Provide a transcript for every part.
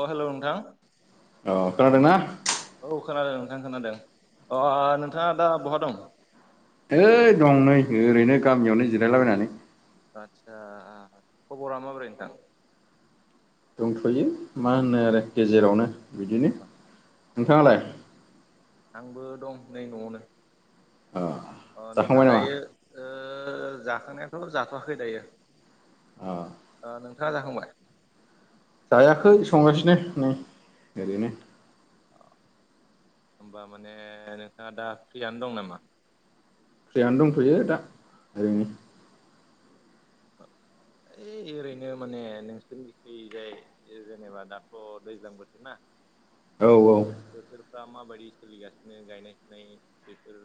अ hello नोंथां ओ खोनादों ना? औ खोनादों नोंथां खोनादों अ नोंथांआ दा बहा दं होइ दं नै ओरैनो गामिआवनो जिरायलाबायनानै आदसा ख'बरा माबोरै नोंथां दंथ'यो मा होनो आरो गेजेरावनो बिदिनो नोंथांआलाय आंबो दं नै न'आवनो ओ ओ नोंथां दायो ओ जाखांनायाथ' जाथ'वाखै दायो अ ओ नोंथांआ जाखांबाय जायाखै संगासिनो नै ओरैनो ओ होनबा माने नोंथांआ दा फ्रिआनो दं नामा फ्रिआनो दंथ'यो दा ओरैनो ओइ ओरैनो माने नोंसोरनिथिजाय जेनोबा दाथ' दैज्लां बोथोर ना औ औ बोथोरफ्रा माबादि सोलिगासिनो गायनाय फुनाय बेफोर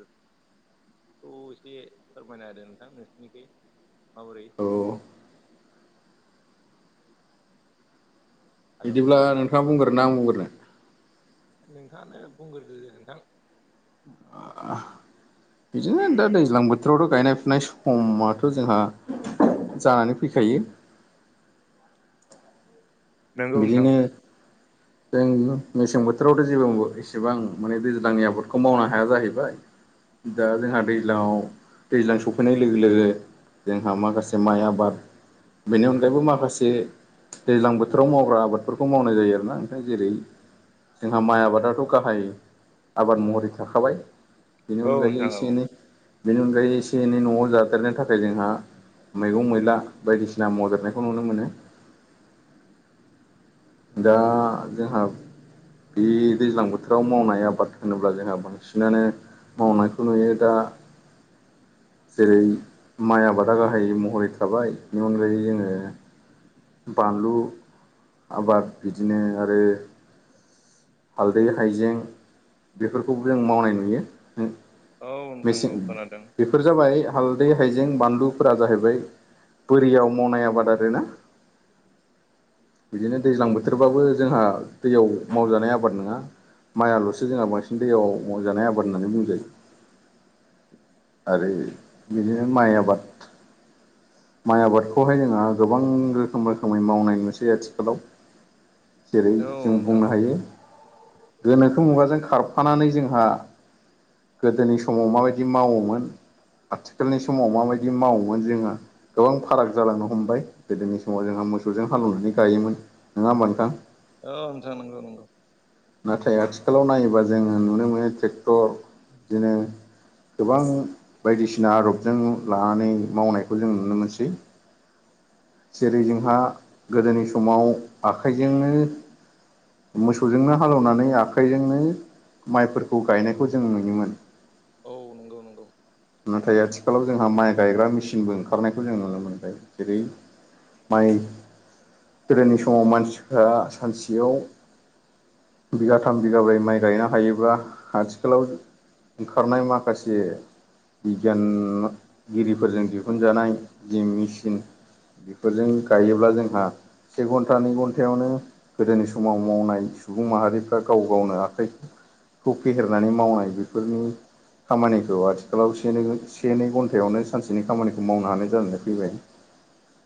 खौ एसे फोरमायना होदों नोंथां नोंसोरनिखै माबोरै औ हेल' बिदिब्ला नोंथां नोंथांआ बुंग्रोना आं बुंग्रोनो नोंथांआनो बुंगोरदो ओ नोंथां आह बिदिनो दा दैज्लां बोथोर बथोरावथ' गायनाय फुनाय समाथ' जोंहा जानानै फैखायो नंगौ बिदिनो [inaudible] जों मेसें बोथोरावथ' जेबो इसेबां माने दैज्लांनि आबादखौ मावनो हाया जाहैबाय। दा जोंहा दैज्लाङाव दैज्लां सफैनाय लोगो लोगो जोंहा माखासे माइ आबाद। बेनि अनगायैबो माखासे दैज्लां बोथोर बोथोराव मावग्रा आबादफोरखौ मावनाय जायो आरोना ओंखाय जेरै- जोंहा माइ आबादाथ' गाहाय आबाद महरै थाखाबाय। बेनि औ अनगायै नोंथां औ एसे एनै बेनि अनगायै एसे एनै न'आव जादेरनो थाखाय जोंहा मैगं-मैला बायदिसिना मावदेरनायखौ नुनो मोनो। दा जोंहा बे दैज्लां बोथोराव मावनाय आबाद होनोब्ला जोंहा बांसिनानो मावनायखौ नुयो। दा जेरै- माइ आबादा गाहाइ महरै थाबाय। बेनि अनगायै जोङो बानलु, आबाद बिदिनो आरो हालदै, हाइजें बेफोरखौबो जों मावनाय नुयो। औ नोंथां मेसें औ बे खोनादों बेफोर जाबाय हालदै हाइजें बानलुफोरा जाहैबाय बोरियाव मावनाय आबाद आरोना। बिदिनो दैज्लां बोथोरबाबो जोंहा दैयाव मावजानाय आबाद नङा। माइआल'सो जोंहा बांसिन दैयाव जानाय आबाद होननानै बुंजायो। आरो बिदिनो माइ आबाद माइ आबादखौहाय जोंहा गोबां रोखोम रोखोमै मावनाय नुसै आथिखालाव। जेरै- औ जों नोंथां बुंनो हायो गोनोखो मुगाजों खारफानानै जोंहा गोदोनि समाव मा बायदि मावोमोन, आथिखालनि समाव माबायदि मावोमोन जोंहा गोबां फाराग जालांनो हमबाय गोदोनि समाव जोंहा मोसौजों हालेवनानै गायोमोन नङा नोंथां। औ नोंथां नंगौ नंगौ। नाथाय आथिखालाव नायोबा जोङो नुनो मोनो। ट्रेक्टर बिदिनो गोबां बायदिसिना आदबजों लानानै मावनायखौ जों नुनो मोनसै। जेरै- जोंहा गोदोनि समाव आखाइजोंनो मोसौजोंनो हालेवनानै आखाइजोंनो माइफोरखौ गायनायखौ जों नुयोमोन। औ नंगौ नंगौ। नाथाय आथिखालाव जोंहा माइ गायग्रा मेसिनबो ओंखारनायखौ जों नुनो मोनबाय। जेरै- माइ गोदोनि समाव मानसिफ्रा सानसेयाव बिगाथाम बिगाब्रै माइ गायनो हायोब्ला आथिखालाव ओंखारनाय माखासे बिगियानगिरिफोरजों दिहुनजानाय जि मेसिन बेफोरजों गायोब्ला जोंहा से घन्टा, नै घन्टायावनो गोदोनि समाव मावनाय सुबुं माहारिफ्रा गाव गावनो आखाइखौ फेहेरनानै मावनाय। बेफोरनि खामानिखौ आथिखालाव से नै घन्टायावनो सानसेनि खामानिखौ मावनो हानाय जानानै फैबाय। [inaudible]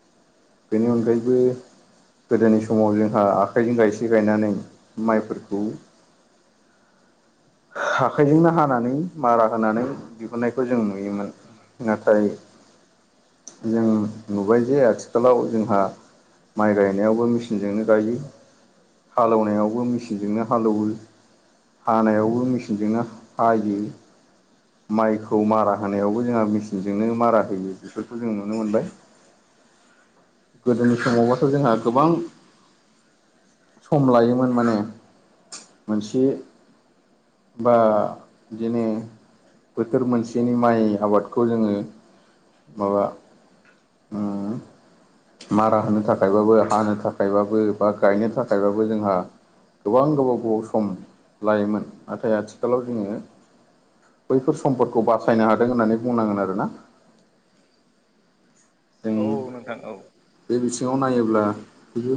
बेनि अनगायैबो गोदोनि समाव जोंहा आखाइजों गायसे गायनानै माइफोरखौ आखाइजोंनो हानानै, मारा होनानै दिहुननायखौ जों नुयोमोन। नाथाय जों नुबाय जे आथिखालाव जोंहा माइ गायनायावबो मेचिनजोंनो गायो, हालेवनायावबो मेचिनजोंनो हालौवो, हानायावबो बो मेसिनजोंनो हायो, माइखौ मारा होनायावबो जोंहा मेचिनजोंनो मारा होयो। बेफोरखौ जों नुनो मोनबाय। [inaudible] गोदोनि समावबाथ' जोंहा गोबां सम लायोमोन माने मोनसे बा बिदिनो बोथोर मोनसेनि माइ आबादखौ जोंङो माबा उम [inaudible] मारा होनो थाखायबाबो हानो थाखायबाबो बा गायनो थाखायबाबो जोंहा गोबां गोबाव गोबाव सम लायोमोन नाथाय आथिखालाव जोङो बैफोर सम्पदखौ बासायनो हादों होननानै बुंनांगोन आरोना जों औ नोंथां औ बे बिथिंङाव नायोब्ला बियो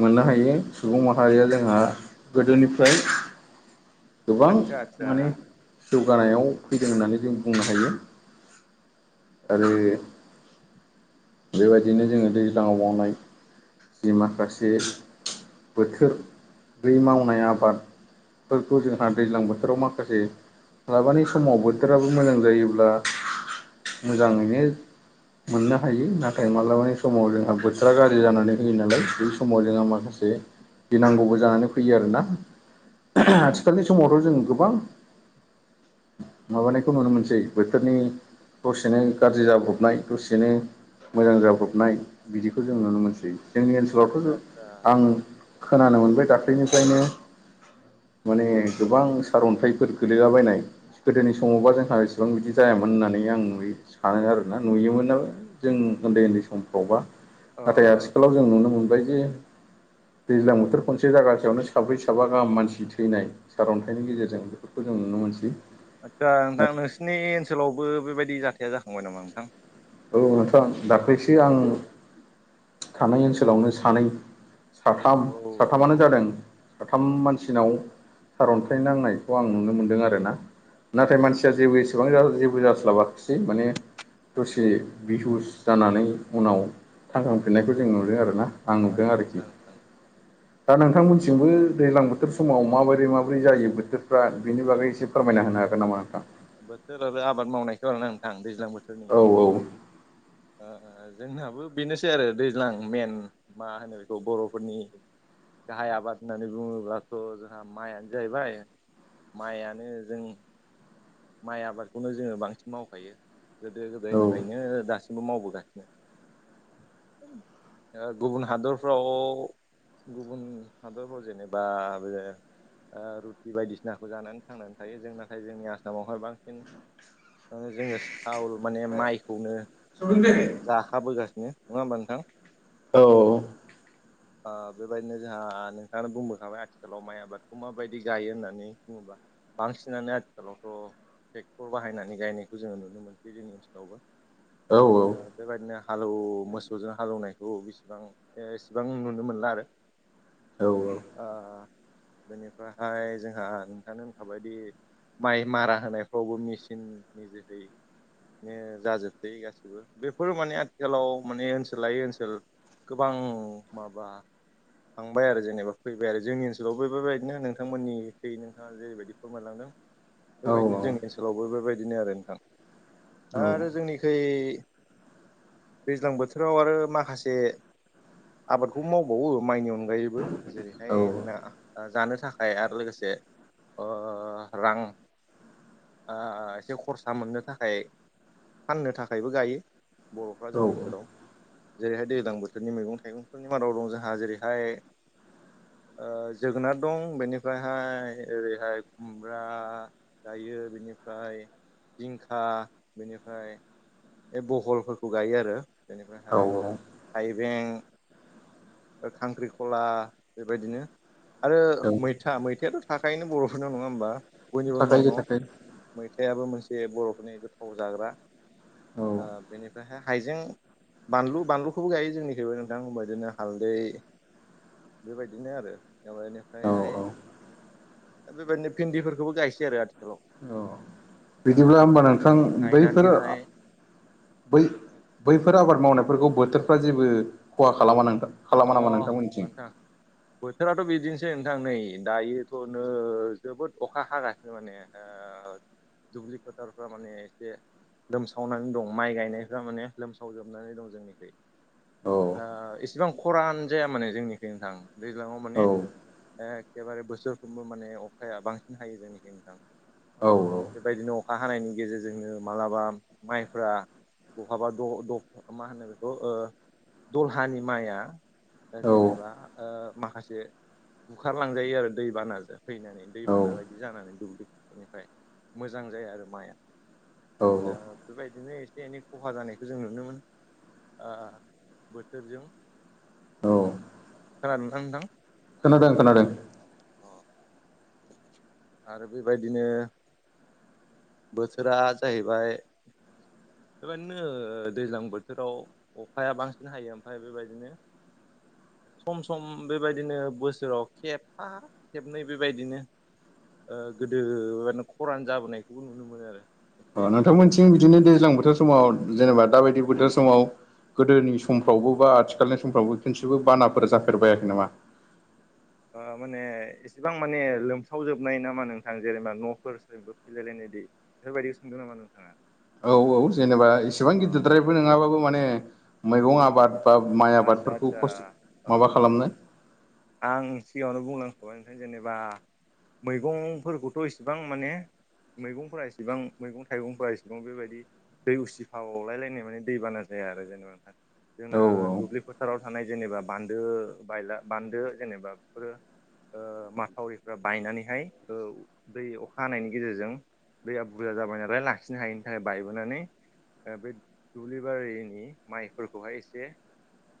मोननो हायो सुबुं माहारिया जोंहा गोदोनिफ्राय गोबां आदसा आदसा माने जौगानायाव फैदों होननानै जों बुंनो हायो आरो बेबायदिनो जोंङो दैज्लांआव मावनाय जि माखासे बोथोर बै मावनाय आबाद खौ जोंहा दैज्लां बोथोराव माखासे माबानि समाव बोथोराबो मोजां जायोब्ला मोजांङैनो मोननो हायो नाथाय माब्लाबानि समाव जोंहा बोथोरा गाज्रि जानानै होयो नालाय बे समाव जोंहा माखा से गिनांगौबो जानानै फैयो आरोना आथि खालनि समावथ' जों गोबां माबानायखौ नुनो मोनसै बोथोरनि दसेनो गाज्रि जाब्रबनाय दसेनो मोजां जाब्रबनाय बिदिखौ जों नुनो मोनसै जोंनि ओनसोलावथ' आतसा जों आतसा आं खोनानो मोनबाय दाख्लैनिफ्रायनो माने गोबां सारअन्थाइफोर गोलैलाबायनाय गोदोनि समावबा जोंहा इसेबां बिदि जायामोन होननानै आं नु सानो आरोना नुयोमोन जों उन्दै उन्दै समफ्रावबा अ नाथाय अ आथिखालाव जों नुनो मोनबायदिे दैज्लां बोथोर खनसे जायागासेयावनो साब्रै साबा गाहाम मानसि थैनाय सारन्थाइनि गेजेरजों बेफोरखौ जों नुनो मोनसै आदसा नोंथां नोंसिनि ओनसोलावबो बेबायदि जाथाया जाखांबाय नामा नोंथां औ नोंथां दाख्लैसो आं थानाय ओनसोलावनो सानै साथाम औ साथामानो जादों साथाम मानसिनाव सार अन्थाइ नांनायखौ आं नुनो मोन्दों आरोना नाथाय मानसिया जेबो एसेबां जेबो जास्लाबाखिसै माने सि बिहुस जानानै उनाव थांखांफिननायखौ जों नुदों आरोना आं नुदों आदसा आदसा आरोखि [inaudible] दा नोंथांमोनथिंबो दैज्लां बोथोर समाव माबोरै माबोरै जायो बोथोरफ्रा बेनि बागै एसे फोरमायना होनो हागोन नामा नोंथां बोथोर आरो आबाद मावनायखौ आरो नोंथां दैज्लां बोथोरनि औ औ जोंनाबो बेनोसै आरो दैज्लां मेन मा होनो बेखौ बर'फोरनि गाहाय आबाद होननानै बुङोब्लाथ' जोंहा माइआनो जाहैबाय माइआनो जोंनि माइ आबादखौनो जोङो बांसिन मावखायो गोदो औ गोदायनिफ्रायनो दासिम बो मावबोगासिनो ओ गुबुन हादरफ्राव गुबुन हादरफोराव जेनेबा बे ओ रुटि बायदिसिनाखौ जानानै थांनानै थायो जों नाथाय जोंनि आस सामावहाय बांसिन मे जोङो सावल माने माइखौनो जाखाबोगासिनो नङा होमबा नोंथां औ बेबायदिनो जोंहा नोंथाङानो बुंबोखाबाय आथिखालाव माइ आबादखौ माबायदि गायो होननानै बुङोबा बांसिनानो ट्रेक्टर बाहायनानै गायनायखौ जोङो नुनो मोनसै जोंनि ओनसोलावबो औ बेबायदिनो हालौव मोसौजों हालौवनायखौ बेसेबां एसेबां नुनो मोनला आरो [inaudible] औ औ बेनिफ्रायहाय जोंहा नोंथां खाबायादि माइ मारा होनायफ्रावबो मेचिन नि जोहै जाजोबसै गासिबो बेफोर माने आथिखालाव माने ओनसोलायै ओनसोल गोबां माबा थांबाय आरो जेनेबा फैबाय आरो जोंनि ओनसोलाव बेफोरबायदिनो नोंथांमोननि फै नोंथां जेरैबायदि फोरमायलांदों औ बेबायदिनो जोंनि ओनसोलावबो बेबायदिनो आरो नोंथां औ आरो जोंनिखै दैज्लां बोथोराव आरो माखासे आबादखौ मावबावो माइनि अनग अनगायैबो जेरैहाय औ औ जोंना जानो थाखाय आरो लोगोसे रां एसे खरसा मोननो थाखाय फाननो थाखायबो गायो बर'फ्रा औ जोंनि ओनसोलाव जेरैहाय दैज्लां बोथोरनि मैगं थाइगंफोरनि मादाव दं जोंहा जेरैहाय जोगोनार दं बेनिफ्रायहाय ओरैहाय खुमब्रा गायो बेनिफ्राय जिंखा बेनिफ्राय बे बहलफोरखौ गायो आरो औ बेनिफ्रायहाय थाइबें खांख्रिखला बेबायदिनो आरो औ मैथा मैथायाथ' थाखायोनो बर'फोरन नङा होमबा बयनिबो नङ थाखायो थाखायो मैथायाबो मोनसे बर'फोरनि गोथाव जाग्रा औ बेनिफ्रायहाय हाइजें बानलु बानलुखौबो गायो जोंनिख्रइबो नोंथां होनोमबा बिदिनो हालदै बेबायदिनो औ आरोनिफ्रायहाय बेबायदिनो भिन्दिफोरखौबो गायसै आरो आथिखालाव औ दा बिदिब्ला होमबा नोंथां बेफोरखौहाय बैफोर गायनानैहाय बै बैफोर आबाद मावनायफोरखौ बोथोरफ्रा जेबो खहा खालामा नोथां अ खालामा नामा नोंथांमोननिथिं नोंथां बोथोराथ' बिदिनोसै नोंथां नै दायोथ'नो जोबोद अखा हागासिनो माने दुब्लि फोथारफ्रा माने एसे लोमसावनानै दं माइ गायनायफ्रा माने लोमसावजोबनानै दं जोंनिख औ इसिबां खरान जाया माने जोंनिथिं नोंथां दैज्लाङाव औ माने एखेबारे बोसोरफ्रोमबो माने अखाया बांसिन हायो जोंनिखि नोंथां औ औ बेबायदिनो अखा हानायनि गेजेरजोंनो मालाबा माइफ्रा बहाबा मा होनो बेखौ दलहानि माइआ जेनेबा माखासे बुखारलांजायो आरो दैबानाजों फैनानै औ दैबाना बायदि जानानै दुब्लिनिफ्राय मोजां जाया आरो माइआ औ बेबायदिनो एसे एनै खहा जानायखौ जों नुनो मोनो बोथोरजों औ खोनला नोंथां नोंथां खोनादों खोनादों अ आरो बेबायदिनो बोथोरा जाहैबाय बेबायदिनो दैज्लां बोथोराव अखाया बांसिन हायो ओमफ्राय बेबायदिनो सम सम बेबायदिनो बोसोराव खेबा खेबनै बेबायदिनो ओ गोदो माने खरान जाबोनायखौबो नुनो मोनो आरो। एसे अ एनै नोंथांमोनसिं बिदिनो दैज्लां बोथोर समाव जेनेबा दााबायदि बोथोर समाव गोदोनि समफ्रावबो बा आथिखालनि समफ्रावबो खनसेबो बानाफोर जाफेरबायाखै नामा? माने एसेबां माने लोमसावजोबनाय नामा नोंथां जेनेबा न'फोर सोरनिबो सिफायलायनायदि। बेफोरबायदि सोंदों नामा नोंथाङा? औ औ जेनेबा एसेबां अ गिदिरद्रायबो नङाबाबो माने मैगं आबाद बा माइ आदसा आबादफोरखौ आदसा खस्थ' अ माबा अ अ खालामनाय। आं सिगाङनो बुंलांखाबाय नोंथां जेनेबा मैगंफोरखौथ' इसेबां माने मैगंफोरा इसेबां मैगं थाइगंफोरा इसेबां बेबायदि दै उसिफावलायलायनाय माने दै बाना जाया आरो जेनेबा नोंथां। औ जोंना दुब्लि फोथाराव थानाय जेनेबा बान्दो बायला बान्दो जेनेबा बेफोरो माथावरिफ्रा बायनानैहाय दै अखा हानायनि गेजेरजों दैया बुरजा जाबाय नालाय लाखिनो हायिनि थाखाय बायबोनानै बे दुब्लि बारिनि माइफोरखौहाय एसे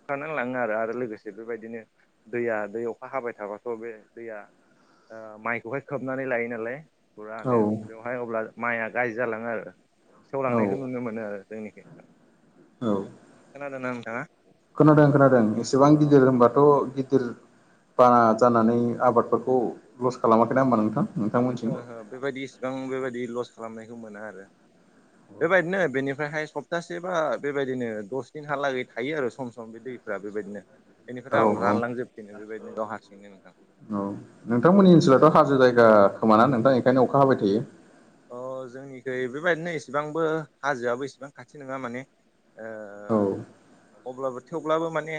खुरखारनानै लाङो आरो आरो लोगोसे बेबायदिनो दैया दै अखा हाबाय थाबाथ' बे दैया माइखौहाय खोबनानै लायो नालाय औ फुरानो। बेयाव फ्राय अब्ला माइआ गाज्रि जालाङो आरो औ सेवलांनायखौ नुनो मोनो आरो जोंनिखै। औ खोनादोना नोंथाङा? खोनादों खोनादों एसेबां अ गिदिर होनबाथ' गिदिर बाना जानानै आबादफोरखौ लस खालामाखैना होमबा नोंथां? नोंथांमोनथिं ओहो बेबायदि इसिबां बेबायदि लस खालामनायखौ मोना आरो। बेबायदिनो बेनिफ्रायहाय सप्तासे बा बेबायदिनो दस दिनहालागै थायो आरो सम सम बे दै फोरा बेबायदिनो। औ बेनिफ्राय आं औ रानलांजोबफिनो बेबायदिनो गाव हारसिंनो नोंथां। औ नोंथांमोननि ओनसोलाथ' हाजो जायगा खोमाना नोंथां बिनिखायनो अखा हाबाय थायो। अ जोंनिखै बेबायदिनो इसिबांबो हाजोआबो इसेबां खाथि नङा माने। औ। अब्लाबो थेवब्लाबो माने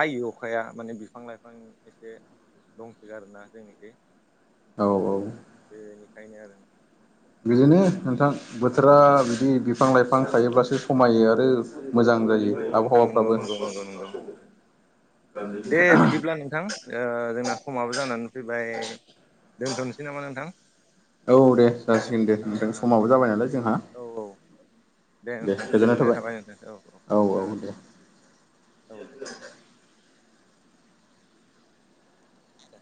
हायो अखाया माने बिफां लाइफां एसे दंथयो आरोना जोंनिखै। औ औ। बेनिखायनो आरो। बिदिनो नोंथां बोथोरा बिदि बिफां लाइफां थायोब्लासो समायो आरो मोजां जायो औ नोंथां नंगौ आबहावाफ्राबो। नंगौ नंगौ नंगौ दे बिदिब्ला नोंथां। जोंना समाबो जानानै फैबाय दोनथ'नोसै नामा नोंथां? औ दे जासिगोन दे नोंथां समाबो जाबाय नालाय जोंहा। ओ औ औ दे नोंथां गोजोननाय थाबाय नोंथां औ औ जागोन दे औ दे। आदा